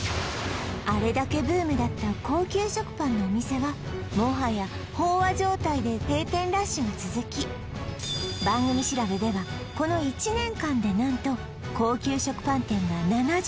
あれだけブームだった高級食パンのお店はもはや飽和状態で閉店ラッシュが続き番組調べではこのという異常事態！